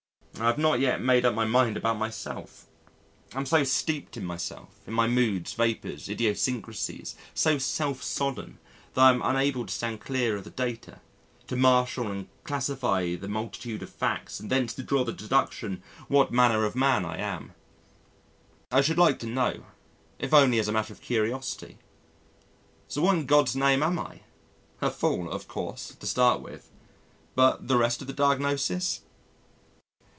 I have not yet made up my mind about myself. I am so steeped in myself in my moods, vapours, idiosyncrasies, so self sodden, that I am unable to stand clear of the data, to marshal and classify the multitude of facts and thence draw the deduction what manner of man I am. I should like to know if only as a matter of curiosity. So what in God's name am I? A fool, of course, to start with but the rest of the diagnosis?